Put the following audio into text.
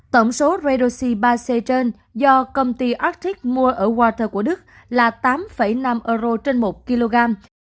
tổng số redoxi ba c trên do công ty artic mua ở water của đức là tám năm euro trên một kg